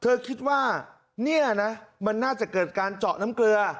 เธอคิดว่าเนี่ยนะมันน่าจะเกิดการเจาะน้ำเกลือ